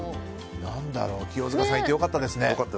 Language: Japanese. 何だろう、清塚さんがいて良かったですね。